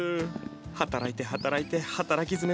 働いて働いて働きづめの日々。